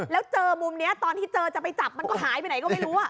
แล้วเจอมุมนี้ตอนที่เจอจะไปจับมันก็หายไปไหนก็ไม่รู้